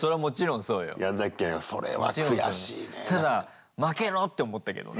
ただ負けろ！って思ったけどね。